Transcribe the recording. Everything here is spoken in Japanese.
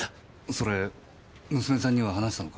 それ娘さんには話したのか？